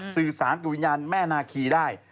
สื่อสารกับวิญญาณแม่นาคีได้